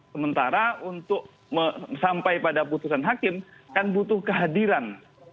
sementara untuk sampai pada putusan hakim kan butuh kehadiran